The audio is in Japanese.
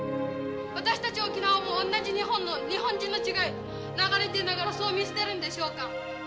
私たち沖縄もおんなじ日本の、日本人の血が流れてんだから、そう見捨てるんでしょうか。